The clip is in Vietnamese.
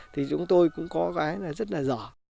thì chúng tôi cũng có cái là rất là giỏi